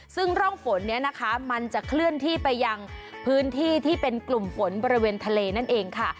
ซึ่งร่องฝนเนี่ยนะคะมันจะเคลื่อนที่ไปยังพื้นที่ที่เป็นกลุ่มฝนบริเวณทะเลนั่นเองค่ะ